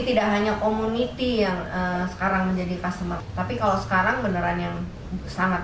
tidak hanya community yang sekarang menjadi customer tapi kalau sekarang beneran yang sangat